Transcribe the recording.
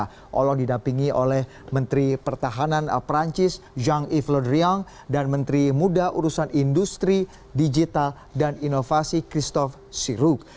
hollande didapingi oleh menteri pertahanan perancis jean yves le drian dan menteri muda urusan industri digital dan inovasi christophe sirouk